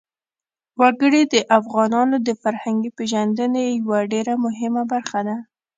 وګړي د افغانانو د فرهنګي پیژندنې یوه ډېره مهمه برخه ده.